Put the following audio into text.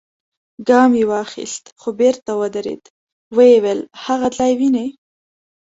ګام يې واخيست، خو بېرته ودرېد، ويې ويل: هاغه ځای وينې؟